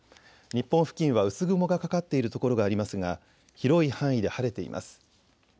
日本付近は薄雲がかかっている所がありますが広い範囲で晴れています。